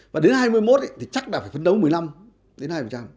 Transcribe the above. và đến hai nghìn hai mươi một thì chắc là phải phấn đấu một mươi năm đến hai mươi